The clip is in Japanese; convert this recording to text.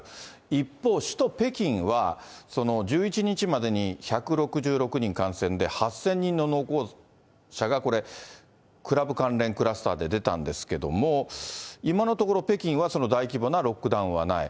一方、首都北京は、１１日までに１６６人感染で８０００人の濃厚者がクラブ関連クラスターで出たんですけれども、今のところ、北京は大規模なロックダウンはない。